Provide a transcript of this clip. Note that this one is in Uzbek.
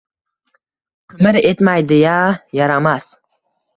Qimir etmaydi-ya, yaramas